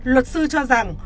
luật sư cho rằng